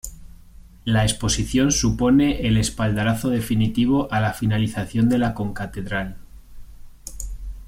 La exposición supone el espaldarazo definitivo a la finalización de la Concatedral.